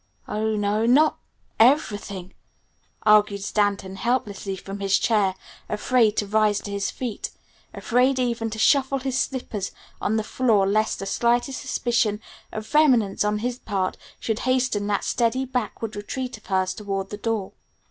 "Oh no, not everything," argued Stanton helplessly from his chair, afraid to rise to his feet, afraid even to shuffle his slippers on the floor lest the slightest suspicion of vehemence on his part should hasten that steady, backward retreat of hers towards the door.